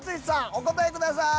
お答えください。